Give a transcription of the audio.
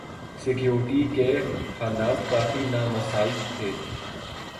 security کے حالات کافی نامساعد تھے